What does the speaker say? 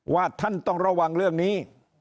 ว่าท่านต้องระวังเรื่องนี้